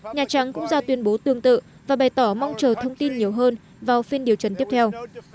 nhà trắng cũng ra tuyên bố tương tự và bày tỏ mong chờ thông tin nhiều hơn vào phiên điều trần tiếp theo